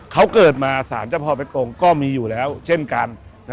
เขาเกิดมาสารเจ้าพ่อเป็กองค์ก็มีอยู่แล้วเช่นกัน